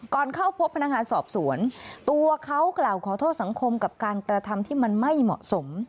เข้าพบพนักงานสอบสวนตัวเขากล่าวขอโทษสังคมกับการกระทำที่มันไม่เหมาะสม